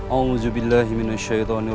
aku malah senang ada temannya